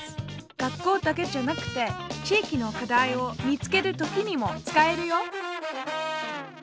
学校だけじゃなくて地域の課題を見つける時にも使えるよ！